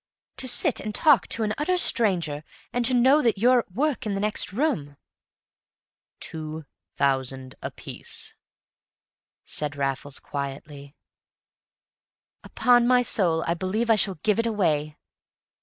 "To sit and talk to an utter stranger and to know that you're at work in the next room!" "Two thousand apiece," said Raffles, quietly. "Upon my soul I believe I shall give it away!"